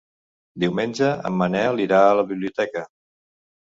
Diumenge en Manel irà a la biblioteca.